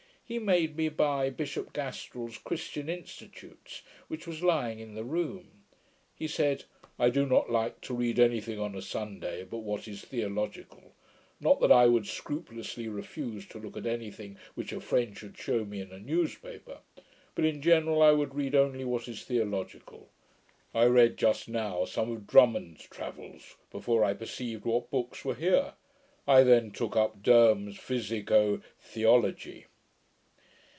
He bade me buy Bishop Gastrell's Christian Institutes, which was lying in the room. He said, 'I do not like to read any thing on a Sunday, but what is theological; not that I would scrupulously refuse to look at any thing which a friend should shew me in a newspaper; but in general, I would read only what is theological. I read just now some of Drummond's Travels, before I perceived what books were here. I then took up Derham's Physico Theology.